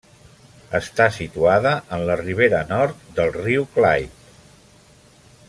Està situada en la ribera nord del riu Clyde.